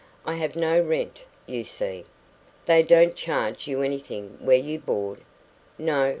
I have no rent, you see." "They don't charge you anything where you board?" "No.